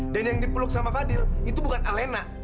dan yang dipeluk sama fadil itu bukan alena